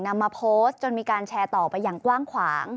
นำมาโพสต์จนมีการแชร์ต่อไปอย่างกว้างขวาง